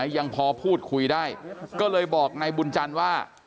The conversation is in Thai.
ยังพอพูดคุยได้ก็เลยบอกนายบุญจันทร์ว่า